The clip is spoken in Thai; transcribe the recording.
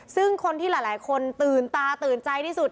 ซึ่งคนที่หลายคนตื่นตาตื่นใจที่สุด